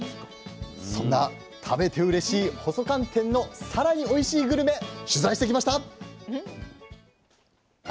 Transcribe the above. そんな食べてうれしい細寒天のさらにおいしいグルメ取材してきました。